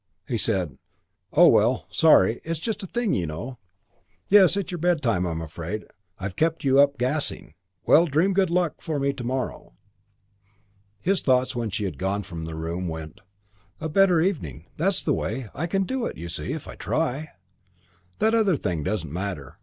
He said, "Oh, well. Sorry. It's just a thing, you know. Yes, it's your bedtime, I'm afraid. I've kept you up, gassing. Well, dream good luck for me to morrow." His thoughts, when she had gone from the room, went, "A better evening! That's the way! I can do it, you see, if I try. That other thing doesn't matter.